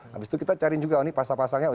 habis itu kita cari juga pasal pasalnya